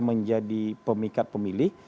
menjadi pemikat pemilih